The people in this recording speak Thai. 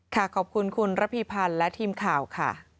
ขอบคุณคุณระพีพันธ์และทีมข่าวค่ะ